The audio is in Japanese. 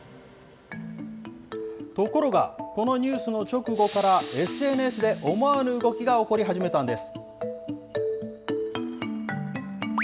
ところが、このニュースの直後からＳＮＳで思わぬ動きが起こり始めたんです。